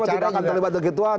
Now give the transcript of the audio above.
kita akan terlibat begituan